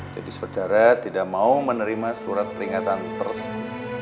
jadi saudara tidak mau menerima surat peringatan tersebut